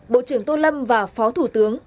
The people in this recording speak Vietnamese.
bộ trưởng tô lâm và phó thủ tướng